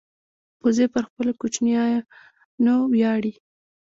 وزې پر خپلو کوچنیانو ویاړي